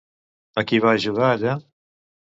A qui va ajudar allà?